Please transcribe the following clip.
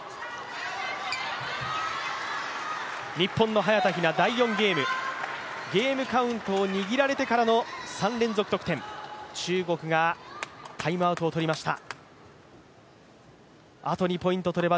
日本の早田ひな、第４ゲーム、ゲームカウントを握られてからの３連続得点、中国がタイムアウトを取りました。